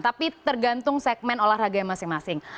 tapi tergantung segmen olahraga yang masing masing